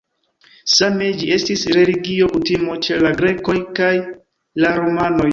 Same, ĝi estis religio kutimo ĉe la grekoj kaj la romanoj.